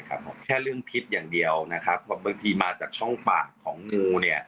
แค่เรื่องพิษอย่างเดียวนะครับเพราะบางทีมาจากช่องปากของงูเนี่ย